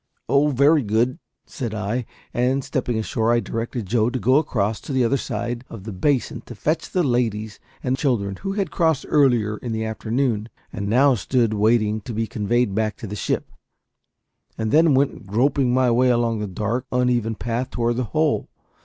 "Oh, very good," said I; and, stepping ashore, I directed Joe to go across to the other side of the basin to fetch the ladies and children, who had crossed earlier in the afternoon, and now stood waiting to be conveyed back to the ship, and then went groping my way along the dark, uneven path toward the hole.